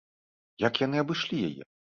Як яны абышлі яе?